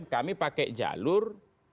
kami pakai jalur